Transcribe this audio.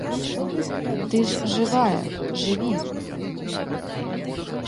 Ты ж жывая, жыві!